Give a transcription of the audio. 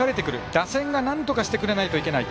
打線がなんとかしてくれないといけない。